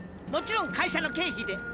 もちろん会社の経費で。